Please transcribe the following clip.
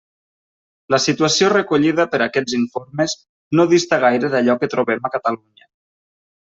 La situació recollida per aquests informes no dista gaire d'allò que trobem a Catalunya.